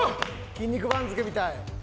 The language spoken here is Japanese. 『筋肉番付』みたい。